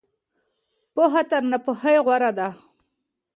پوهه تر ناپوهۍ غوره ده.